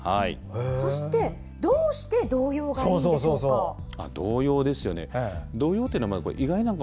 そして、どうして童謡がいいんでしょうか？